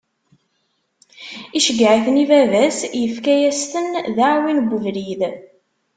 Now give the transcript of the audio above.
Iceggeɛ-iten i baba-s, ifka-as-ten d aɛwin i ubrid.